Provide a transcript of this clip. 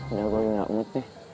udah gue minggak mood nih